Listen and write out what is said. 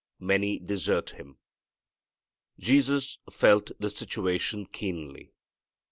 Many desert Him. Jesus felt the situation keenly.